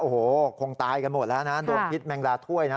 โอ้โหคงตายกันหมดแล้วนะโดนพิษแมงดาถ้วยนะ